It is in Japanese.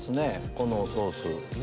このおソース。